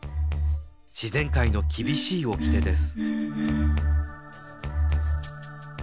自然界の厳しいおきてです。